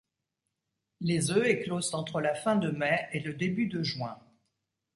Les œufs éclosent entre la fin de mai et le début de juin.